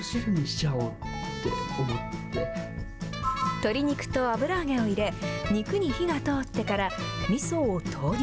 鶏肉と油揚げを入れ、肉に火が通ってから、みそを投入。